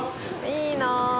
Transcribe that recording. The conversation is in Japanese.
いいな。